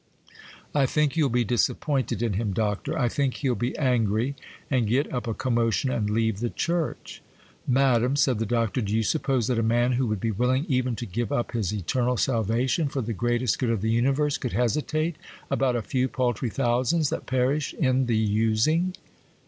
'I think you'll be disappointed in him, Doctor;—I think he'll be angry, and get up a commotion, and leave the church.' 'Madam,' said the Doctor, 'do you suppose that a man who would be willing even to give up his eternal salvation for the greatest good of the universe could hesitate about a few paltry thousands that perish in the using?